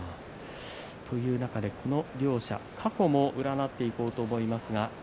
この両者、過去も占っていこうと思います。